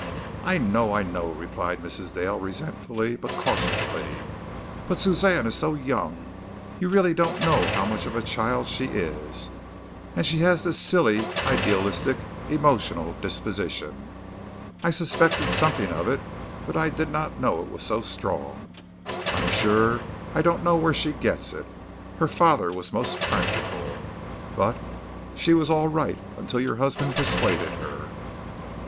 "I know, I know," replied Mrs. Dale resentfully, but cautiously, "but Suzanne is so young. You really don't know how much of a child she is. And she has this silly, idealistic, emotional disposition. I suspected something of it, but I did not know it was so strong. I'm sure I don't know where she gets it. Her father was most practical. But she was all right until your husband persuaded her."